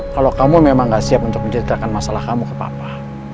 kalau kamu memang gak siap untuk menceritakan masalah kamu ke papa